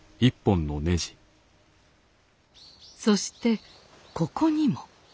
そしてここにも。